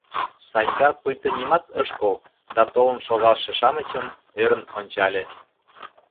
Санька пуйто нимат ыш кол да толын шогалше-шамычым ӧрын ончале.